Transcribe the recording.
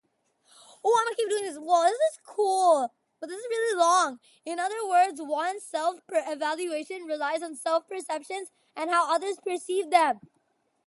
In other words, one's self-evaluation relies on self-perceptions and how others perceive them.